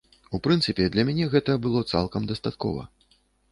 У прынцыпе, для мяне гэта было цалкам дастаткова.